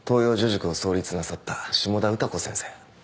塾を創立なさった下田歌子先生。